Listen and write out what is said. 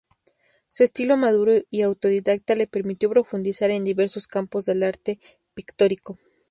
Su estilo maduro y autodidacta le permitió profundizar en diversos campos del arte pictórico.